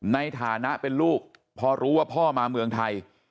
ในฐานะเป็นลูกพอรู้ว่าพ่อมาเมืองไทย